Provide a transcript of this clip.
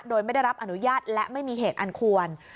โดยไม่ได้รับอนุญาตและไม่มีเหตุอันควร